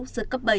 giờ cấp bảy